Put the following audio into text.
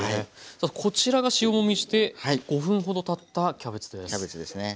こちらが塩もみして５分ほどたったキャベツです。